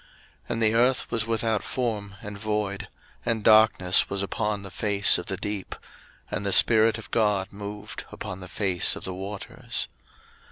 01:001:002 And the earth was without form, and void; and darkness was upon the face of the deep. And the Spirit of God moved upon the face of the waters.